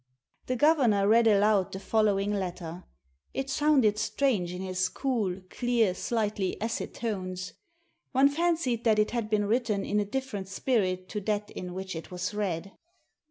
The governor read aloud the following letter. It sounded strange in his cool, clear, slightly acid tones. One fancied that it had been written in a different spirit to that in which it was read.